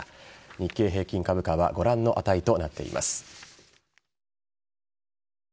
日経平均株価はご覧の値となっています。